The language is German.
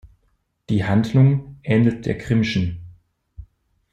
Die Handlung ähnelt der Grimmschen.